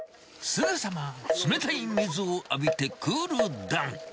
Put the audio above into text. すぐさま冷たい水を浴びて、クールダウン。